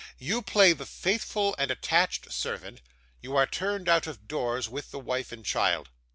'You play the faithful and attached servant; you are turned out of doors with the wife and child.